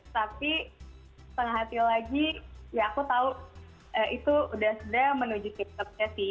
tapi penghati lagi ya aku tahu itu sudah menuju kehip keraatan ciumannya sih